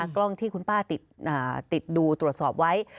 กล้องที่คุณป้าติดดูตรวจสอบไว้